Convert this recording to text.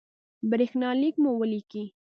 برېښنالک مو ولیکئ